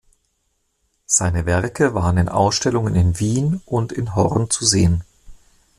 Seine Werke waren in Ausstellungen in Wien und in Horn zu sehen.